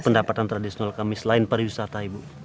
pendapatan tradisional kami selain para wisata ibu